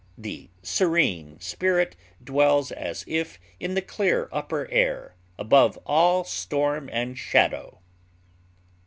The serene spirit dwells as if in the clear upper air, above all storm and shadow.